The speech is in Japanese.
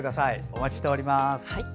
お待ちしております。